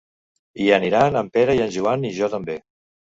Hi aniran en Pere i en Joan, i jo també.